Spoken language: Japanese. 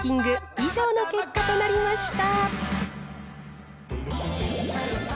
以上の結果となりました。